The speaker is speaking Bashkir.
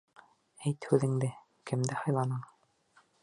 Әйт һүҙеңде: кемде һайланың?